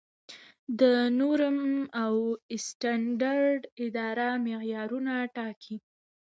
د نورم او سټنډرډ اداره معیارونه ټاکي؟